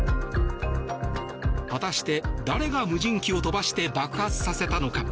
果たして、誰が無人機を飛ばして爆発させたのか。